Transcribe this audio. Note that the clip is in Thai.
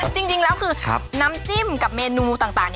จริงแล้วคือน้ำจิ้มกับเมนูต่าง